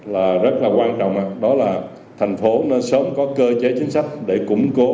là rất là quan trọng đó là thành phố nên sớm có cơ chế chính sách để củng cố